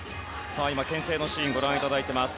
牽制のシーンをご覧いただいています。